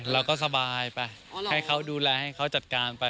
เราก็สบายไปให้เขาดูแลให้เขาจัดการไป